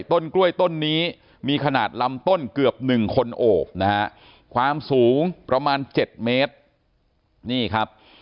ต้นกล้วยต้นนี้มีขนาดลำต้นเกือบ๑คนโอบนะฮะความสูงประมาณ๗เมตรนี่ครับ